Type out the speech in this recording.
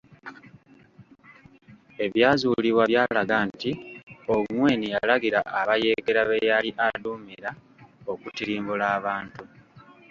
Ebyazuulibwa byalaga nti Ongwen yalagira abayeekera b'eyali aduumira okutirimbula abantu .